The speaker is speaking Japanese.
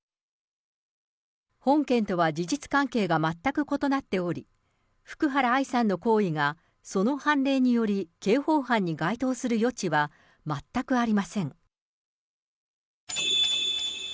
本件とは事実関係が全く異なっており、福原愛さんの行為がその判例により刑法犯に該当する余地は全くありません。